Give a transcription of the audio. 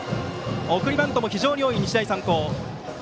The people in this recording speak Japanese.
送りバントも非常に多い日大三高。